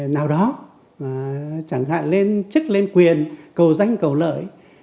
nào đó chẳng hạn lên chức lên quyền cầu danh cầu lợi